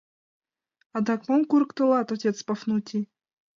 — Адак мом курыктылат, отец Пафнутий?